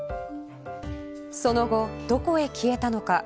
その後、どこへ消えたのか。